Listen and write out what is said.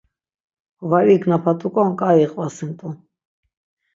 Var ignapat̆uk̆on k̆ai iqvasint̆u.